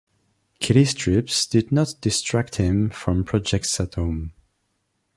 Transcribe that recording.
Kelly's trips did not distract him from projects at home.